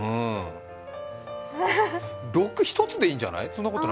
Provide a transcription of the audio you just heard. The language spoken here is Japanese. ６、１つでいいんじゃない？